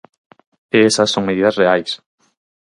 E esas son medidas reais.